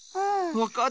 わかった。